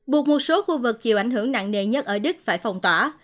buộc một số khu vực chịu ảnh hưởng nặng nề nhất ở đức phải phong tỏa